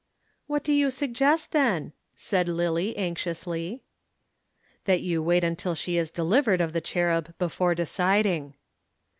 "What do you suggest then?" said Lillie anxiously. "That you wait till she is delivered of The Cherub before deciding."